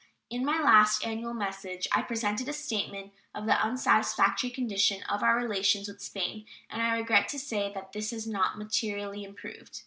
In my last annual message I presented a statement of the unsatisfactory condition of our relations with Spain, and I regret to say that this has not materially improved.